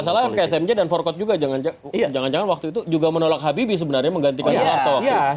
kalau tidak salah ksmj dan forkot juga jangan jangan waktu itu juga menolak habibie sebenarnya menggantikan soeharto